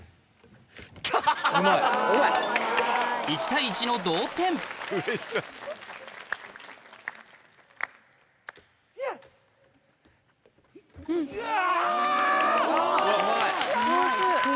１対１の同点うわ！